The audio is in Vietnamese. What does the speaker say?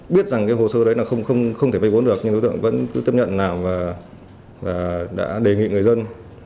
biết rằng hồ sơ đó không thể vay vốn được nhưng đối tượng vẫn tiếp nhận làm và đã đề nghị người dân